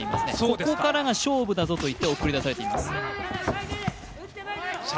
ここからが勝負だぞといって送り出されています。